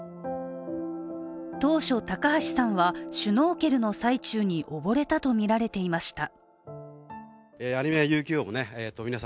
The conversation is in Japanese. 当初、高橋さんはシュノーケルの最中に溺れたとみられていました。